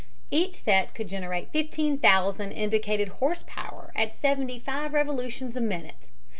Each set could generate 15,000 indicated horse power at seventy five revolutions a minute.